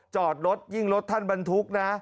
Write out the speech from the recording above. จอดรถยิ่งรถท่านบรรทุกนะ